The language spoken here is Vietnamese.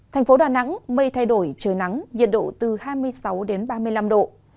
thành phố đà nẵng mây thay đổi trời nắng nhiệt độ từ hai mươi sáu đến ba mươi năm độ